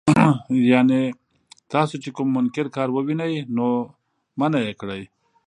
يعني تاسو چې کوم منکر کار ووينئ، نو منعه يې کړئ.